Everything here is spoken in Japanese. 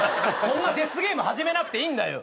そんなデスゲーム始めなくていいんだよ！